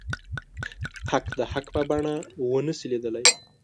حق د حق په بڼه ونه شي ليدلی.